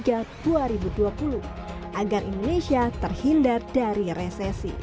agar indonesia terhindar dari resesi